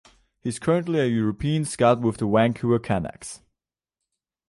He is currently a European scout with the Vancouver Canucks.